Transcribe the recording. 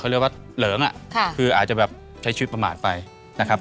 เรียกว่าเหลิงคืออาจจะแบบใช้ชีวิตประมาทไปนะครับ